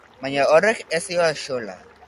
Baina horrek ez dio axola.